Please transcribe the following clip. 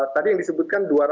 tadi yang disebutkan dua ratus